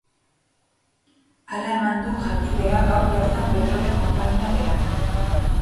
Hala eman du jakitera gaur bertan petrolio-konpainia berak.